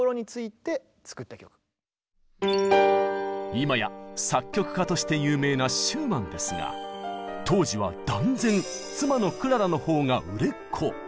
今や作曲家として有名なシューマンですが当時は断然妻のクララのほうが売れっ子。